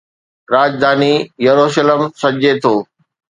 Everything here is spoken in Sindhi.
راڄڌاني يروشلم سڏجي ٿو